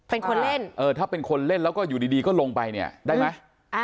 เป็นคนเล่นเออถ้าเป็นคนเล่นแล้วก็อยู่ดีก็ลงไปเนี่ยได้ไหม